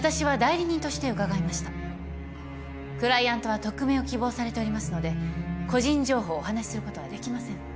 クライアントは匿名を希望されておりますので個人情報をお話しすることはできません。